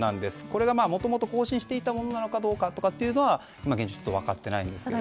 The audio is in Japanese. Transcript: これがもともと更新していたものかどうかというのは今現状、分かっていないんですが。